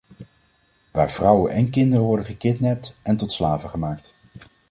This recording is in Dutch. Waar vrouwen en kinderen worden gekidnapt en tot slaven gemaakt?